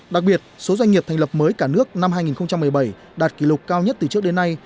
đặc biệt số doanh nghiệp thành lập mới cả nước năm hai nghìn một mươi bảy đạt kỷ lục cao nhất từ trước đến nay